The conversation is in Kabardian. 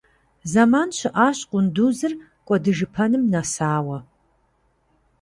Зэман щыӀащ къундузыр кӀуэдыжыпэным нэсауэ.